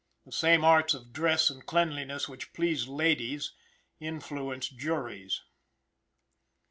The same arts of dress and cleanliness which please ladies influence juries.